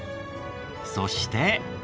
そして。